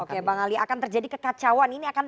oke bang ali akan terjadi kekacauan ini akan